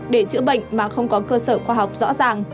để chữa bệnh mà không có cơ sở khoa học rõ ràng